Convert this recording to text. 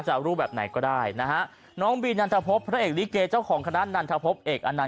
รูปแบบไหนก็ได้นะฮะน้องบีนันทพบพระเอกลิเกเจ้าของคณะนันทพบเอกอนันต